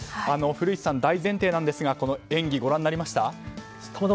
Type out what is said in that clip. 古市さん、大前提なんですが演技、ご覧になりました？